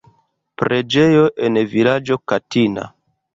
Preĝejo en vilaĝo Katina.